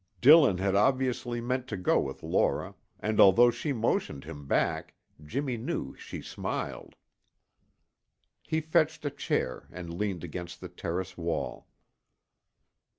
Dillon had obviously meant to go with Laura, and although she motioned him back Jimmy knew she smiled. He fetched a chair and leaned against the terrace wall.